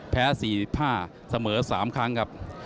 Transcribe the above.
แพ้๔๕เสมอ๓ครั้งครับ